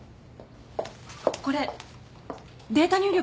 これデータ入力